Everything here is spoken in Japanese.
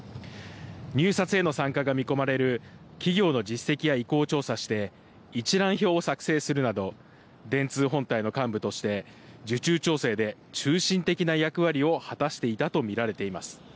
入札への参加が見込まれる企業の実績や意向を調査して、一覧表を作成するなど、電通本体の幹部として、受注調整で中心的な役割を果たしていたと見られています。